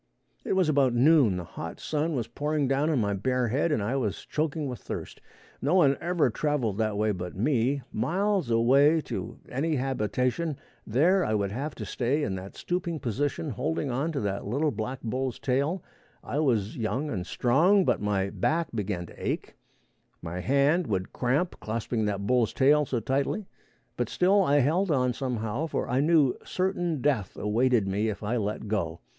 It was about noon. The hot sun was pouring down on my bare head and I was choking with thirst. No one ever traveled that way but me. Miles away to any habitation, there I would have to stay in that stooping position, holding on to that little black bull's tail. I was young and strong, but my back began to ache, my hand would cramp clasping that bull's tail so tightly, but still I held on somehow, for I knew certain death awaited me if I let go.